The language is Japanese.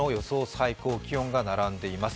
最高気温が並んでいます。